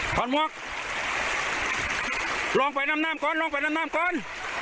ถอดหมวกลงไปน้ำมก่อนลงไปน้ำมก่อน